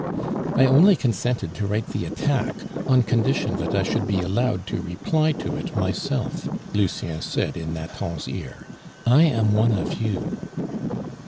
"I only consented to write the attack on condition that I should be allowed to reply to it myself," Lucien said in Nathan's ear. "I am one of you."